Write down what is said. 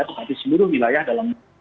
tapi seluruh wilayah dalam